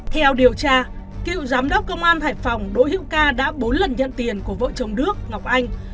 theo điều tra cựu giám đốc công an hải phòng đỗ hữu ca đã bốn lần nhận tiền của vợ chồng đức ngọc anh